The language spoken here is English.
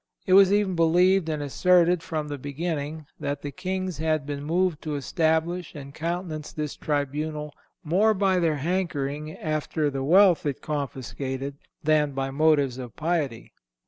It was even believed, and asserted from the beginning, that the Kings had been moved to establish and countenance this tribunal more by their hankering after the wealth it confiscated than by motives of piety.